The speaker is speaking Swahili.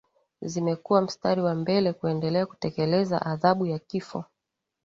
zimekuwa mstari wa mbele kuendelea kutekeleza adhabu ya kifo